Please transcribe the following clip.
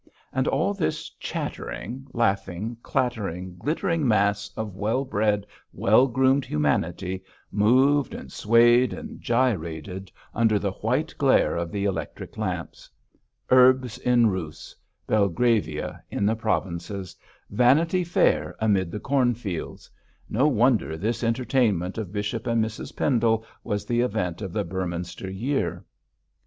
And all this chattering, laughing, clattering, glittering mass of well bred, well groomed humanity moved, and swayed, and gyrated under the white glare of the electric lamps. Urbs in Rus; Belgravia in the Provinces; Vanity Fair amid the cornfields; no wonder this entertainment of Bishop and Mrs Pendle was the event of the Beorminster year.